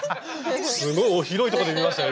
すごい広いとこで見ましたね